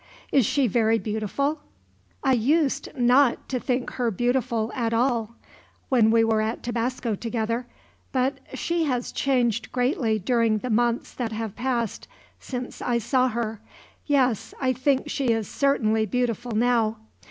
"Is she very beautiful?" "I used not to think her beautiful at all, when we were at Tabasco together; but she has changed greatly during the months that have passed since I saw her. Yes, I think she is certainly beautiful now.